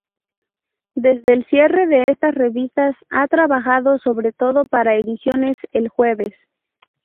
Desde el cierre de estas revistas, ha trabajado sobre todo para Ediciones El Jueves.